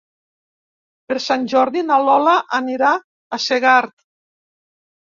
Per Sant Jordi na Lola anirà a Segart.